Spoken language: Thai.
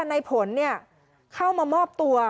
ในผลเข้ามามอบตัว